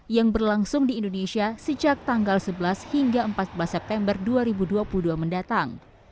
yang berlangsung di indonesia sejak tanggal sebelas hingga empat belas september dua ribu dua puluh dua mendatang